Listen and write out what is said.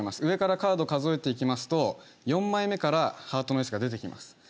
上からカード数えていきますと４枚目からハートのエースが出てきます。